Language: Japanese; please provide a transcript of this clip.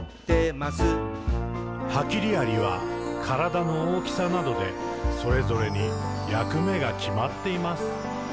「ハキリアリはからだの大きさなどでそれぞれにやくめがきまっています。」